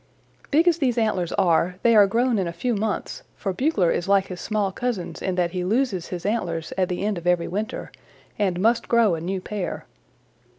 "Big as these antlers are, they are grown in a few months for Bugler is like his small cousins in that he loses his antlers at the end of every winter and must grow a new pair.